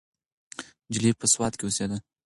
نجلۍ په سوات کې اوسیده.